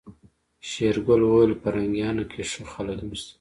شېرګل وويل پرنګيانو کې ښه خلک هم شته.